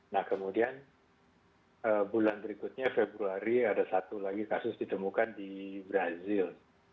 nah kemudian bulan berikutnya februari ada satu lagi kasus ditemukan di brazil